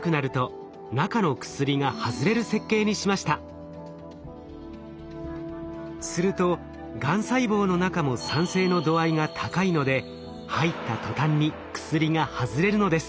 そこで片岡さんはするとがん細胞の中も酸性の度合いが高いので入った途端に薬が外れるのです。